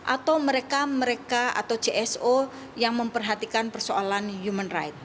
atau mereka mereka atau cso yang memperhatikan persoalan human right